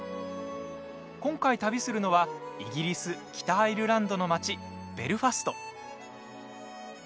今回、旅するのはイギリス、北アイルランドの街ベルファスト。